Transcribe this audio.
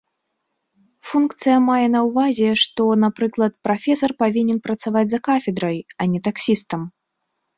Функцыя мае на ўвазе, што, напрыклад, прафесар павінен працаваць за кафедрай, а не таксістам.